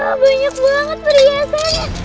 wah banyak banget perhiasannya